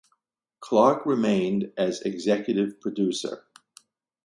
Clark remained as executive producer.